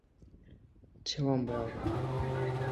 千万不要哭！